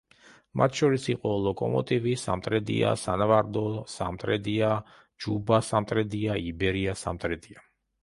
მათ შორის იყო „ლოკომოტივი“ სამტრედია, „სანავარდო“ სამტრედია, „ჯუბა“ სამტრედია, „იბერია“ სამტრედია.